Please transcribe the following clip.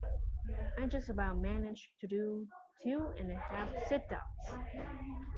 I just about managed to do two and a half sit-ups.